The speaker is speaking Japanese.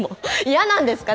嫌なんですか？